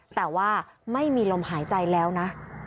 แต่ว่าไม่มีลมหายใจแล้วนะ